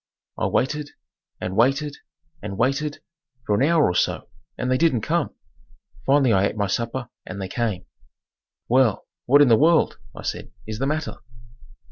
I waited and waited and waited for an hour or so; and they didn't come. Finally I ate my supper and they came. "Well, what in the world," I said, "is the matter?"